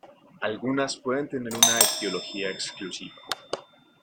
Algunas pueden tener una etiología exclusiva.